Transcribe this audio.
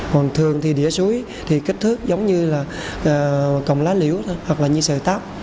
còn thường thì đỉa suối thì kích thước giống như là cọng lá liễu hoặc là như sợi táp